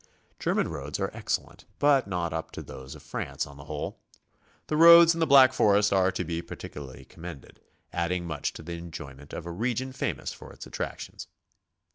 German roads are excellent, but not up to those of France, on the whole. The roads in the Black Forest are to be particularly commended, adding much to the enjoyment of a region famous for its attractions.